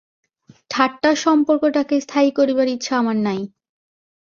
ঠাট্টার সম্পর্কটাকে স্থায়ী করিবার ইচ্ছা আমার নাই।